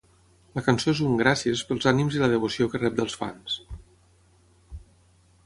La cançó és un "gràcies" pels ànims i la devoció que rep dels fans.